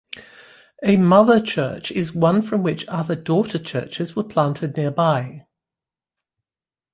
A mother church is one from which other "daughter churches" were planted nearby.